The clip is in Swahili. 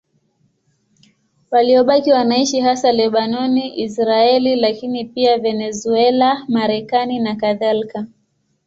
Waliobaki wanaishi hasa Lebanoni, Israeli, lakini pia Venezuela, Marekani nakadhalika.